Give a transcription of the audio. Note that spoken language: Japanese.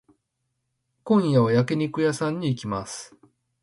今夜は焼肉屋さんに行きます。